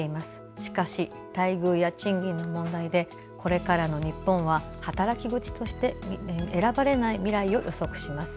しかし、待遇や賃金の問題でこれからの日本は働き口として選ばれない未来を予測します。